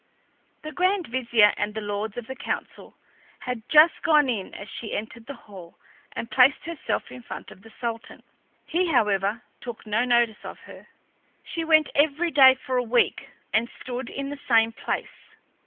The Grand Vizier and the lords of council had just gone in as she entered the hall and placed herself in front of the Sultan. He, however, took no notice of her. She went every day for a week, and stood in the same place.